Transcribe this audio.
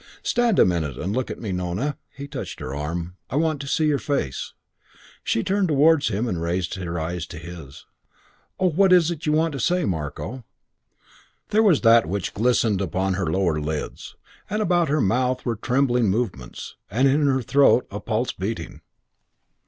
"Stand a minute and look at me, Nona." He touched her arm. "I want to see your face." She turned towards him and raised her eyes to his eyes. "Oh, what is it you want to say, Marko?" There was that which glistened upon her lower lids; and about her mouth were trembling movements; and in her throat a pulse beating.